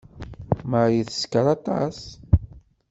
Marie teskeṛ aṭas.